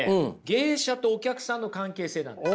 芸者とお客さんの関係性なんです。